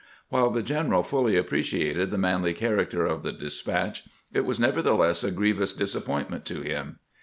While the general fully appreciated the manly character of the de spatch, it was nevertheless a grievous disappointment to him.